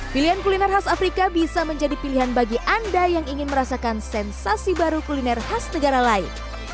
pilihan kuliner khas afrika bisa menjadi pilihan bagi anda yang ingin merasakan sensasi baru kuliner khas negara lain